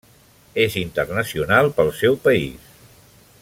És internacional pel seu país.